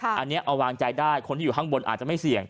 อันนี้เอาวางใจได้คนที่อยู่ข้างบนอาจจะไม่เสี่ยง